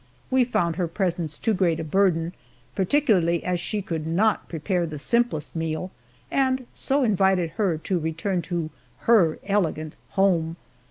We found her presence too great a burden, particularly as she could not prepare the simplest meal, and so invited her to return to her elegant home.